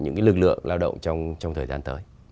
những lực lượng lao động trong thời gian tới